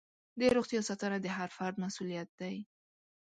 د روغتیا ساتنه د هر فرد مسؤلیت دی.